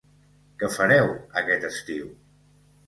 Què fareu aquest estiu?